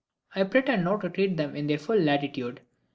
I pretend not to treat of them in their full latitude.